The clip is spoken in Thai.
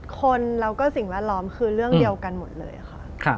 คนแล้วก็สิ่งแวดล้อมคือเรื่องเดียวกันหมดเลยค่ะ